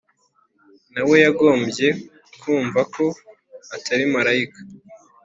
na we yagombye kumva ko atari marayika,